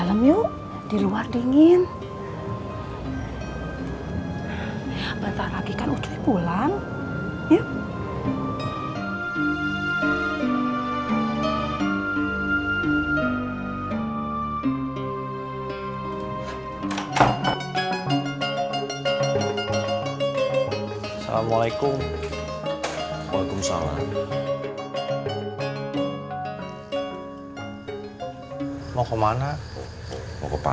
sampai jumpa di video selanjutnya